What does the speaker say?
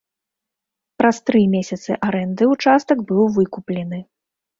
Праз тры месяцы арэнды ўчастак быў выкуплены.